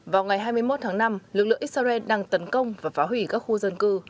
vào ngày hai mươi một tháng năm lực lượng israel đang tấn công và phá hủy các khu dân cư